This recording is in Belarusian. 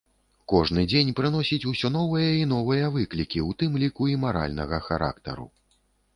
Кожны дзень прыносіць усё новыя і новыя выклікі, у тым ліку і маральнага характару.